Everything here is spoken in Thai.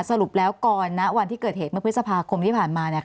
สรุปแล้วก่อนณวันที่เกิดเหตุเมื่อพฤษภาคมที่ผ่านมาเนี่ย